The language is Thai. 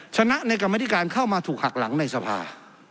ชนะในกรรมธิการเข้ามาถูกหักหลังในสภา